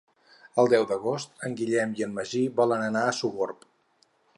El deu d'agost en Guillem i en Magí volen anar a Sogorb.